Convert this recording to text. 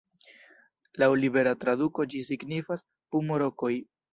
Laŭ libera traduko ĝi signifas "pumo-rokoj".